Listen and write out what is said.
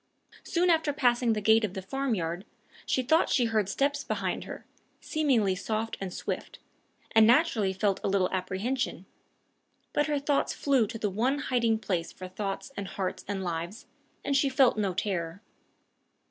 Soon after passing the gate of the farmyard, she thought she heard steps behind her, seemingly soft and swift, and naturally felt a little apprehension; but her thoughts flew to the one hiding place for thoughts and hearts and lives, and she felt no terror.